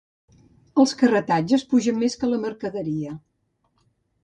Els carretatges pugen més que la mercaderia.